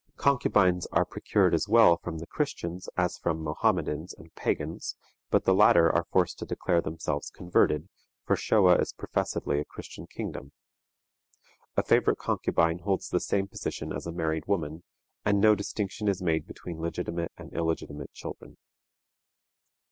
Concubines are procured as well from the Christians as from Mohammedans and pagans, but the latter are forced to declare themselves converted, for Shoa is professedly a Christian kingdom. A favorite concubine holds the same position as a married woman, and no distinction is made between legitimate and illegitimate children.